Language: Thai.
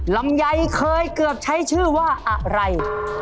ลำไยเคยเกือบใช้ชื่อว่าอะไร